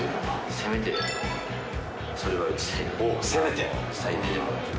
せめてそれは打ちたいです。